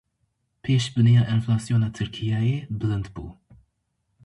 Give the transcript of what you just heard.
Pêşbîniya enflasyona Tirkiyeyê bilind bû.